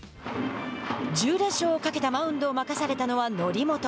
連勝をかけたマウンドを任されたのは則本。